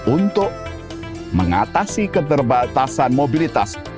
untuk mengatasi keterbatasan mobilitas